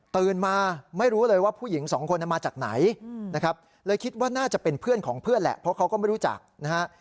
มาไม่รู้เลยว่าผู้หญิงสองคนมาจากไหนนะครับเลยคิดว่าน่าจะเป็นเพื่อนของเพื่อนแหละเพราะเขาก็ไม่รู้จักนะฮะ